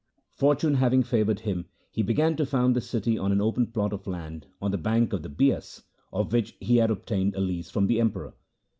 Fortune having favoured him, he began to found the city on an open plot of land on the bank of the Bias, of which he had obtained a lease from the Emperor.